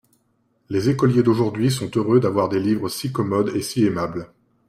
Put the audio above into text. Les écoliers d'aujourd'hui sont heureux d'avoir des livres si commodes et si aimables.